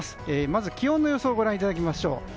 まず気温の予想ご覧いただきましょう。